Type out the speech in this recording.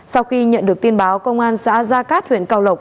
sau khi nhận được tin báo công an xã gia cát huyện cao lộc